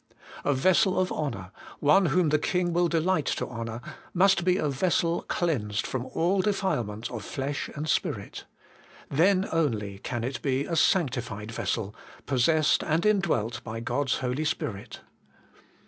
A vessel of honour, one whom the King will delight to honour, must be a vessel cleansed from all defilement of flesh and spirit. Then only can it be a sanctified vessel, possessed and indwelt by God's Holy Spirit.